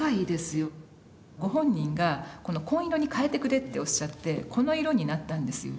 ご本人がこの紺色に変えてくれとおっしゃってこの色になったんですよ。